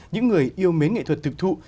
những người yêu mến nghệ thuật thực thụ